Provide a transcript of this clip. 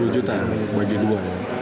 sepuluh juta bagi dua ya